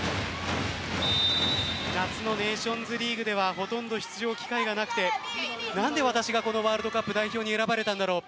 夏のネーションズリーグではほとんど出場機会がなくて何で、私がこのワールドカップ代表に選ばれたんだろう